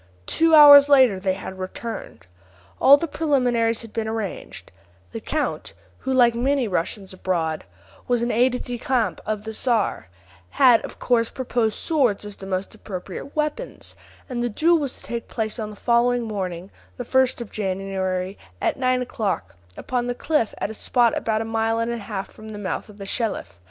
Two hours later they had returned. All the preliminaries had been arranged; the count, who like many Russians abroad was an aide de camp of the Czar, had of course proposed swords as the most appropriate weapons, and the duel was to take place on the following morning, the first of January, at nine o'clock, upon the cliff at a spot about a mile and a half from the mouth of the Shelif.